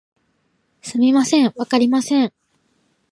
すみません、わかりません